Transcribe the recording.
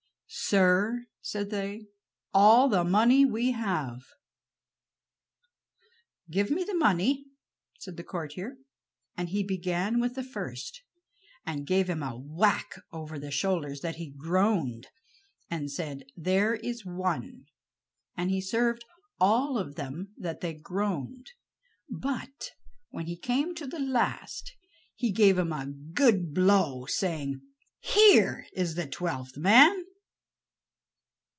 "Sir," said they, "all the money we have." "Give me the money," said the courtier; and he began with the first, and gave him a whack over the shoulders that he groaned, and said, "There is one," and he served all of them that they groaned; but when he came to the last he gave him a good blow, saying, "Here is the twelfth man."